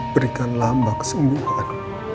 berikanlah abba kesembuhan